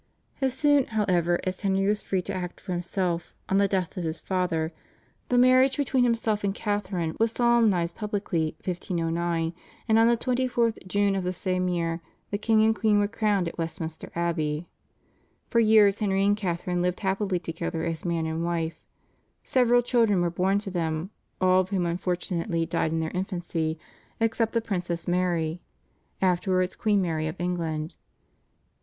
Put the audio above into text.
As soon, however, as Henry was free to act for himself on the death of his father, the marriage between himself and Catharine was solemnised publicly (1509), and on the 24th June of the same year the king and queen were crowned at Westminster Abbey. For years Henry and Catharine lived happily together as man and wife. Several children were born to them, all of whom unfortunately died in their infancy except the Princess Mary, afterwards Queen Mary of England.